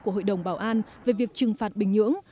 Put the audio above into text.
của hội đồng bảo an về việc trừng phạt bình nhưỡng